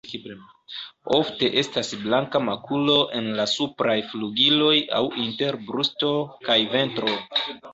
Ofte estas blanka makulo en la supraj flugiloj aŭ inter brusto kaj ventro.